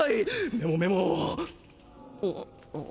メモメモ！